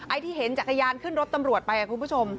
ที่เห็นจักรยานขึ้นรถตำรวจไปคุณผู้ชม